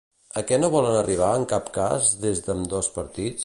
A què no volen arribar en cap cas des d'ambdós partits?